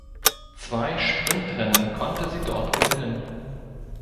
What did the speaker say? Zwei Sprintrennen konnte sie dort gewinnen.